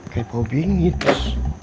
kayak kepo bingits